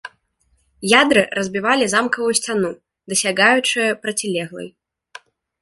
Ядры разбівалі замкавую сцяну, дасягаючы процілеглай.